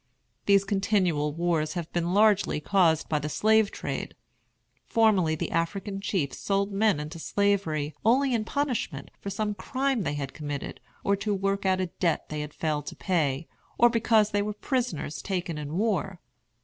These continual wars have been largely caused by the slave trade. Formerly the African chiefs sold men into Slavery only in punishment for some crime they had committed, or to work out a debt they had failed to pay, or because they were prisoners taken in war.